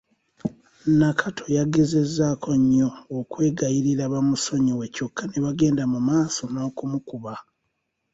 Nakato yagezezzaako nnyo okwegayirira bamusonyiwe kyokka ne bagenda mu maaso n’okumukuba.